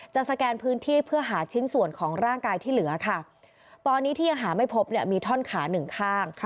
สแกนพื้นที่เพื่อหาชิ้นส่วนของร่างกายที่เหลือค่ะตอนนี้ที่ยังหาไม่พบเนี่ยมีท่อนขาหนึ่งข้าง